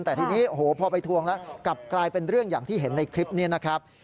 แต่ทีนี้โอ้โหพอไปทวงแล้วกลับกลายเป็นเรื่องอย่างที่เห็นในคลิปนี้นะครับ